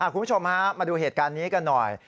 คุณผู้ชมฮะมาดูเหตุการณ์นี้กันหน่อย